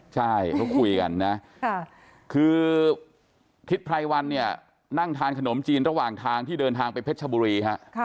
ใช่เขาคุยกันนะคือทิศไพรวันเนี่ยนั่งทานขนมจีนระหว่างทางที่เดินทางไปเพชรชบุรีฮะ